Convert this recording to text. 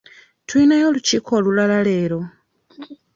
Tuyinayo olukiiko olulala leero?